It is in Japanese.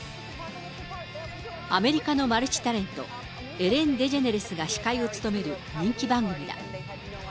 アメリカのマルチタレント、エレン・デジェネレスが司会を務める人気番組だ。